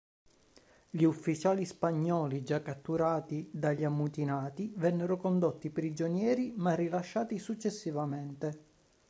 Gli ufficiali spagnoli già catturati dagli ammutinati vennero condotti prigionieri ma rilasciati successivamente.